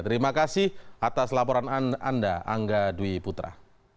terima kasih atas laporan anda angga dwi putra